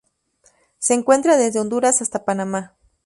Se encuentra desde Honduras hasta Panamá.